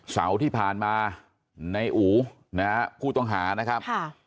เสาร์ที่ผ่านมาในอูนะฮะผู้ต้องหานะครับ